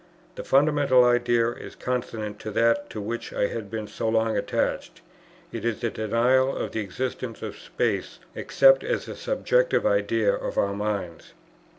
The fundamental idea is consonant to that to which I had been so long attached: it is the denial of the existence of space except as a subjective idea of our minds.